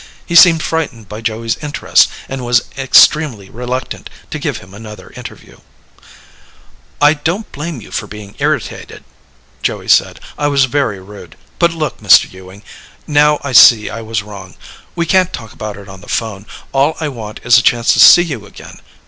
He seemed frightened by Joey's interest and was extremely reluctant to give him another interview. "I don't blame you for being irritated," Joey said. "I was very rude. But look, Mr. Ewing, now I see I was wrong. We can't talk about it on the phone. All I want is a chance to see you again.